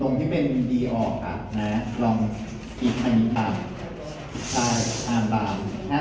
สุดท้ายก็ไม่มีเวลาที่จะรักกับที่อยู่ในภูมิหน้า